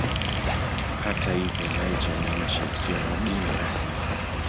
Hata hivyo Niger ni nchi isiyo na dini rasmi.